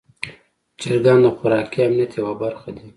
چرګان د خوراکي امنیت یوه برخه دي.